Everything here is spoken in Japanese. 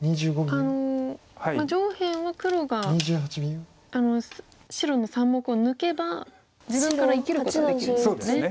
上辺は黒が白の３目を抜けば自分から生きることはできるんですよね。